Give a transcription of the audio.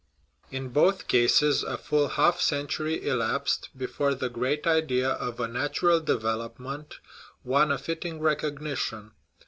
In both cases a full half century elapsed before the great idea of a natural development won a fitting recognition.